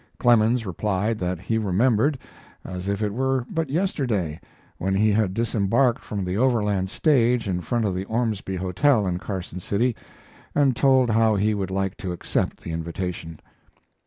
Clemens replied that he remembered, as if it were but yesterday, when he had disembarked from the Overland stage in front of the Ormsby Hotel, in Carson City, and told how he would like to accept the invitation.